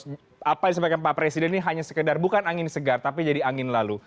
oke apa yang disampaikan pak presiden ini hanya sekedar bukan angin segar tapi jadi angin lalu